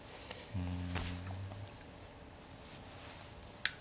うん。